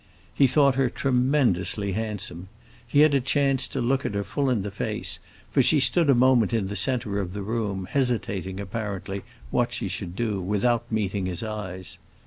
He thought her tremendously handsome. He had a chance to look at her full in the face, for she stood a moment in the centre of the room, hesitating, apparently, what she should do, without meeting his eyes.